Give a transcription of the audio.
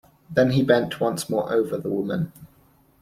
Then he bent once more over the woman.